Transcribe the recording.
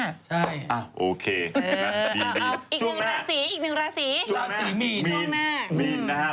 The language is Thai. ใช่อ่ะโอเคเราดีมีอีกหนึ่งละสีอีกหนึ่งละสีละสีมีดช่วงหน้า